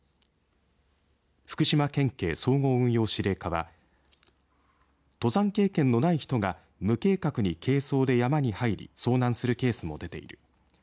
福島県警総合運用指令課は登山経験のない人が無計画に軽装で山に入り遭難するケースも出ている。